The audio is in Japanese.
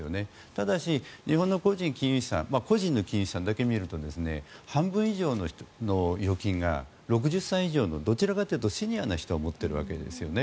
ただし、日本の個人金融資産個人の金融資産だけ見ると半分以上の預金が６０歳以上のどちらかというとシニアの人が持っているわけですよね。